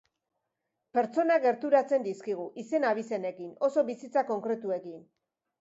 Pertsonak gerturatzen dizkigu, izen-abizenekin, oso bizitza konkretuekin.